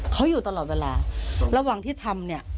เขาอยู่ตลอดเวลาระหว่างที่ทำเนี่ย